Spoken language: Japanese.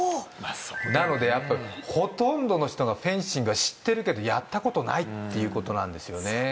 そうだよねなのでやっぱほとんどの人がフェンシングは知ってるけどやったことないっていうことなんですよね